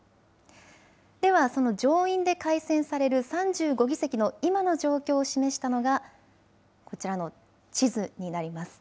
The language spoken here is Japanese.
ではその上院で改選される３５議席の今の状況を示したのがこちらの地図になります。